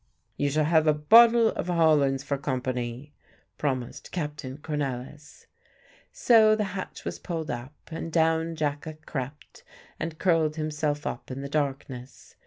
"You shall have a bottle of Hollands for company," promised Captain Cornelisz. So the hatch was pulled up, and down Jacka crept and curled himself up in the darkness.